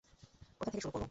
কোথায় থেকে শুরু করব?